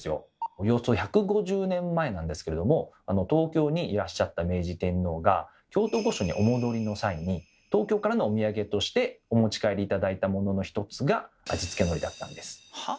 およそ１５０年前なんですけれども東京にいらっしゃった明治天皇が京都御所にお戻りの際に東京からのおみやげとしてお持ち帰り頂いたものの一つが味付けのりだったんです。